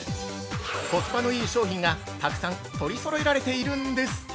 コスパのいい商品が、たくさん取りそろえられているんです。